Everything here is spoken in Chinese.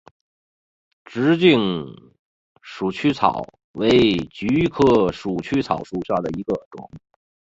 直茎鼠曲草为菊科鼠曲草属下的一个种。